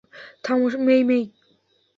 থামো, মেই-মেই।